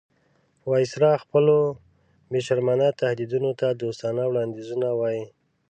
وایسرا خپلو بې شرمانه تهدیدونو ته دوستانه وړاندیزونه وایي.